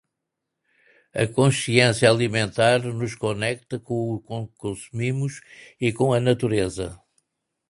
A consciência alimentar nos conecta com o que consumimos e com a natureza.